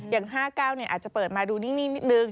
๕๙อาจจะเปิดมาดูนิ่งนิดนึง